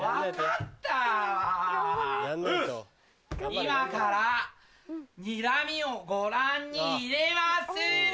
今からにらみをご覧に入れまする。